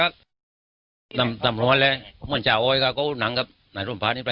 ครับ